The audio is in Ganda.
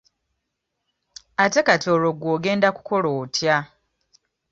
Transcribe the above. Ate kati olwo gwe ogenda kukola otya?